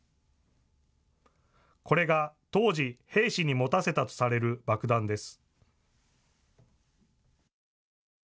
これが当時、兵士に持たせたとされる爆弾です。